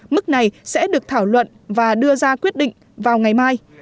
mức này sẽ được thảo luận và đưa ra quyết định vào ngày mai